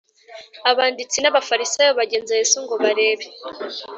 Abanditsi n Abafarisayo bagenza Yesu ngo barebe